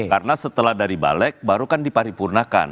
karena setelah dari balik baru kan diparipurnakan